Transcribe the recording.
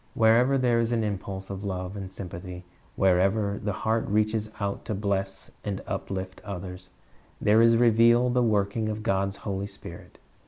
Wherever there is an impulse of love and sympathy, wherever the heart reaches out to bless and up lift others, there is revealed the working of God's Holy Spirit.